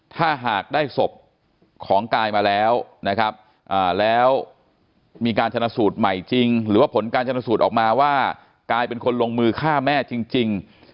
ถ้าหากได้ศพของกายมาแล้วนะครับแล้วมีการชนะสูตรใหม่จริงหรือว่าผลการชนสูตรออกมาว่ากายเป็นคนลงมือฆ่าแม่จริง